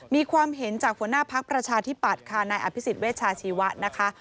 มีความเห็นจากหัวหน้าภาคประชาธิบัตรในอภิษฎเวชาชีวะนะคะ